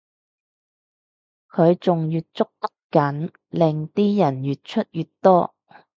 佢仲越捉得緊令啲人越出越多